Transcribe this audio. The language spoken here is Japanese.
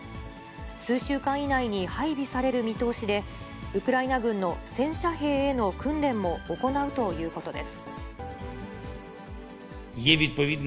数週間以内に配備される見通しで、ウクライナ軍の戦車兵への訓練も行うということです。